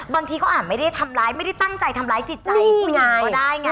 บางทีเขาอาจไม่ได้ทำร้ายไม่ได้ตั้งใจทำร้ายจิตใจผู้หญิงก็ได้ไง